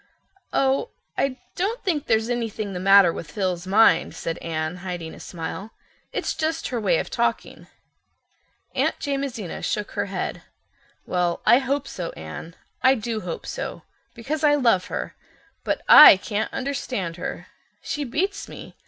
"Oh, I don't think there's anything the matter with Phil's mind," said Anne, hiding a smile. "It's just her way of talking." Aunt Jamesina shook her head. "Well, I hope so, Anne. I do hope so, because I love her. But I can't understand her—she beats me.